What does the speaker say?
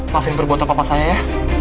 maafin berbotol kakak saya ya